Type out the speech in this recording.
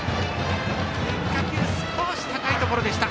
変化球、少し高いところでした。